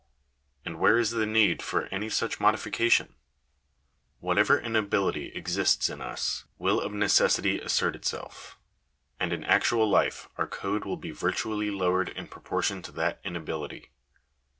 And where is the need for any such modification ? Whatever inability exists in us, will of necessity assert itself; and in actual life our code will be virtually lowered in proportion to that inability.